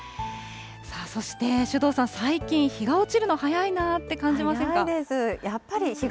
そして首藤さん、最近、日が落ちるの早いなって感じませんか。